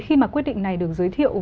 khi mà quyết định này được giới thiệu